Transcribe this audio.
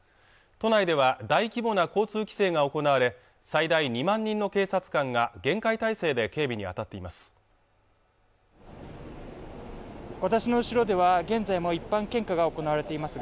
都内では大規模な交通規制が行われ最大２万人の警察官が厳戒態勢で警備にあたっています